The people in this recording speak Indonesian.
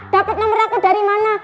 dapet nomer aku dari mana